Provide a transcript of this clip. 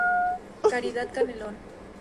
Caridad Canelón